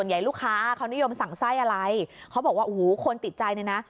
ใหญ่ลูกค้าเขานิยมสั่งไส้อะไรเขาบอกว่าโอ้โหคนติดใจเนี่ยนะ